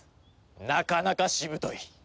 なかなかしぶとい。